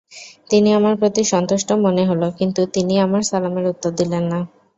তিনি আমার প্রতি সন্তুষ্ট মনে হল কিন্তু তিনি আমার সালামের উত্তর দিলেন না।